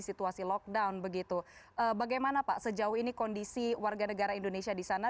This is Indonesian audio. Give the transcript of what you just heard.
situasi lockdown begitu bagaimana pak sejauh ini kondisi warga negara indonesia di sana